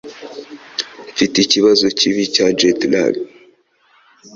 Mfite ikibazo kibi cya jet lag